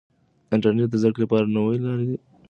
انټرنیټ د زده کړې لپاره نوې لارې پرانیزي.